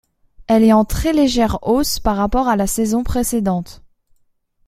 Elle est en très légère hausse par rapport à la saison précédente.